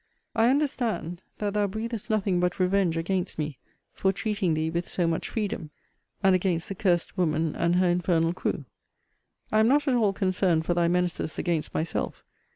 I understand, that thou breathest nothing but revenge against me, for treating thee with so much freedom; and against the cursed woman and her infernal crew. I am not at all concerned for thy menaces against myself.